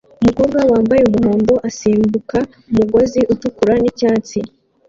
Umukobwa wambaye umuhondo asimbuka umugozi utukura nicyatsi